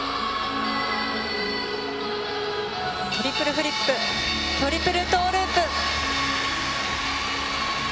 トリプルフリップトリプルトーループ。